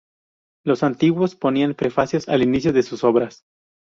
Los antiguos ponían "prefacios" al inicio de sus obras.